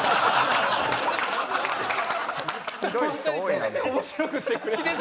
せめて面白くしてくれ。